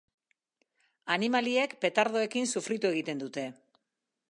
Animaliek petardoekin sufritu egiten dute.